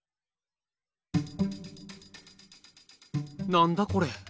何だこれ。